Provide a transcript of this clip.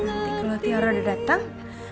nanti kalau tiara udah datang